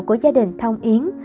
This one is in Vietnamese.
của gia đình thông yến